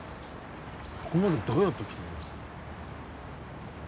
ここまでどうやって来たんですか？